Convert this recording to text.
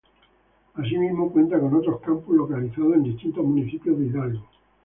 Así mismo cuenta con otros campus localizados en distintos municipios de Hidalgo.